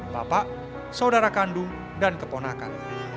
bapak saudara kandung dan keponakan